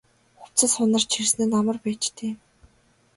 Хувцас хунар чирсэн нь амар байж дээ.